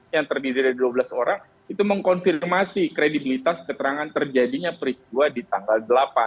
yang terdiri dari dua belas orang itu mengkonfirmasi kredibilitas keterangan terjadinya peristiwa di tanggal delapan